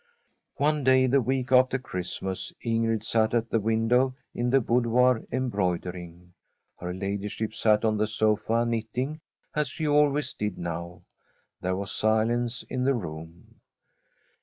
One day, the week after Christmas, Ingrid sat at the window in the boudoir embroidering. Her ladyship sat on the sofa knitting, as she always did now. There was silence in the room.